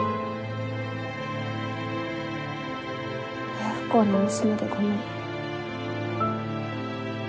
親不孝な娘でごめん。